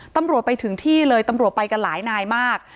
ตำรวจไปถึงที่เลยตำรวจไปกันหลายนายมาก